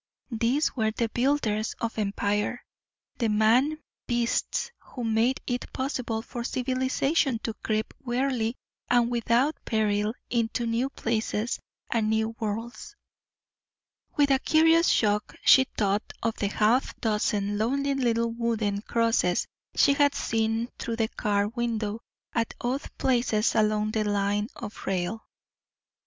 These were the builders of empire the man beasts who made it possible for Civilization to creep warily and without peril into new places and new worlds. With a curious shock she thought of the half dozen lonely little wooden crosses she had seen through the car window at odd places along the line of rail.